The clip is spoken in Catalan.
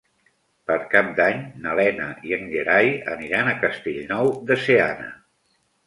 Per Cap d'Any na Lena i en Gerai aniran a Castellnou de Seana.